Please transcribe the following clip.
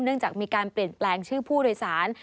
จากมีการเปลี่ยนแปลงชื่อผู้โดยสาร